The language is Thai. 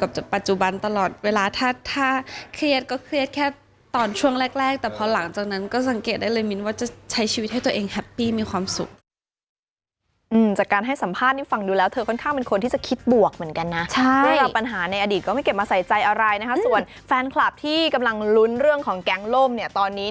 ค่ะถ้าเครียดก็เครียดแค่ตอนช่วงแรกแต่พอหลังจากนั้นก็สังเกตได้เลยมิ้นว่าจะใช้ชีวิตให้ตัวเองแฮปปี้มีความสุขจากการให้สัมภาษณ์ฟังดูแล้วเธอค่อนข้างเป็นคนที่จะคิดบวกเหมือนกันนะใช่ปัญหาในอดีตก็ไม่เก็บมาใส่ใจอะไรนะครับส่วนแฟนคลับที่กำลังลุ้นเรื่องของแก๊งโล่มเนี่ยตอนนี้